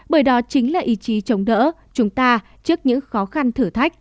bởi đó chính là ý chí chống đỡ chúng ta trước những khó khăn thử thách